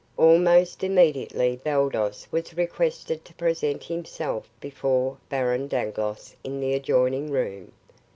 Almost immediately Baldos was requested to present himself before Baron Dangloss in the adjoining room.